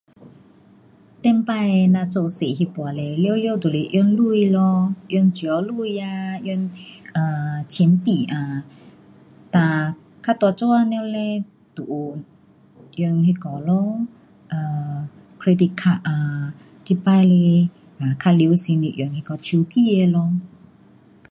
前次咱做小的那次嘞全部都是用钱咯，用纸钱啊，用 um 钱币 um 哒较大做工了嘞就有用那个咯 [um]credit card 啊，这次嘞，较流行就是用那个手机的咯。